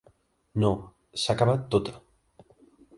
No, s'ha acabat tota.